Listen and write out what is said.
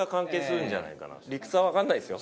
理屈はわかんないですよ。